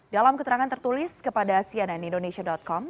dalam keterangan tertulis kepada sianandindonesia com